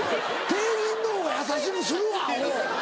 店員の方が優しくするわアホ。